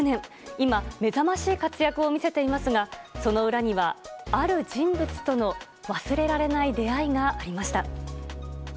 今、目覚ましい活躍を見せていますがその裏にはある人物との忘れられない出会いがありました。